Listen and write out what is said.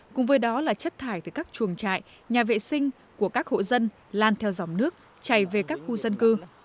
cùng với đó là chất thải từ các chuồng trại nhà vệ sinh của các hộ dân lan theo dòng nước chảy về các khu dân cư